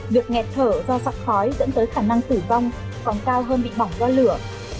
việc nghẹt thở do giặc khói dẫn tới khả năng tử vong còn cao hơn bị bỏng do lửa